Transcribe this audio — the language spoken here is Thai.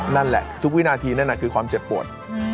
นั่นแหละทุกวินาทีนั่นคือความเจ็บปวด